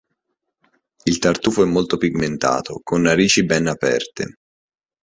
Il tartufo è molto pigmentato, con narici ben aperte.